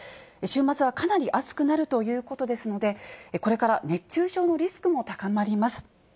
週末はかなり暑くなるということですので、これから熱中症のリスクも高まります。